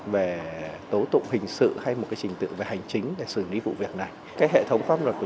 về tố tụng hình sự hay một cái trình tự về hành chính để xử lý vụ việc này cái hệ thống pháp luật của